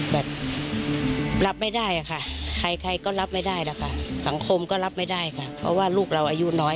แบบรับไม่ได้ค่ะใครใครก็รับไม่ได้หรอกค่ะสังคมก็รับไม่ได้ค่ะเพราะว่าลูกเราอายุน้อย